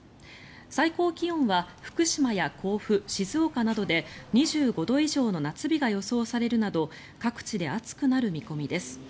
最高気温は福島や甲府、静岡などで２５度以上の夏日が予想されるなど各地で暑くなる見込みです。